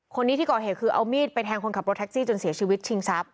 คนนี้ที่ก่อเหตุคือเอามีดไปแทงคนขับรถแท็กซี่จนเสียชีวิตชิงทรัพย